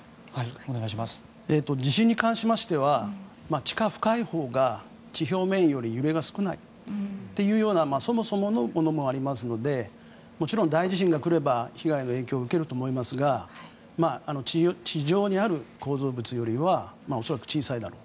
地震に関しましては地下深いほうが地表面より揺れが少ないというそもそものことがありますのでもちろん大地震がくれば被害の影響は受けると思いますが地上にある構造物よりは恐らく小さいだろう。